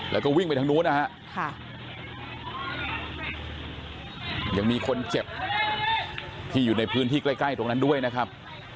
แล้วก็วิ่งไปทางนู้นนะฮะยังมีคนเจ็บที่อยู่ในพื้นที่ใกล้ใกล้ตรงนั้นด้วยนะครับ